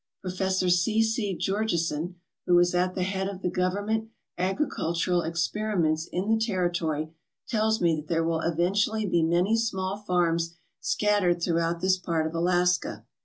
Professor C. C. Georgeson, who is at the head of the government agricultural experiments in the territory, tells me that there will eventually be many small farms scat tered throughout this part of Alaska.